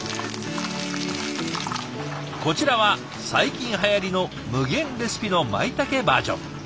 こちらは最近はやりの無限レシピのまいたけバージョン。